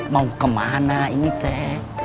mau kemana ini teh